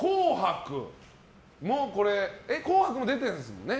「紅白」も出てるんですもんね。